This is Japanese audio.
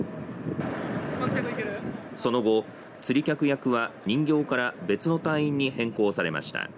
その後、釣り客役は人形から別の隊員に変更されました。